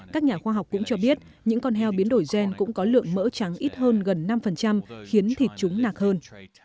các nhà khoa học cũng cho biết những con heo biến đổi gen cũng có lượng mỡ trắng ít hơn gần năm khiến thịt chúng nạc hơn